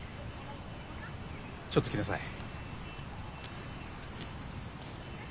ちょっと来なさい。